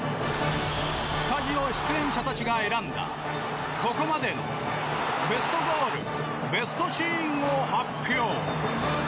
スタジオ出演者たちが選んだここまでのベストゴールベストシーンを発表！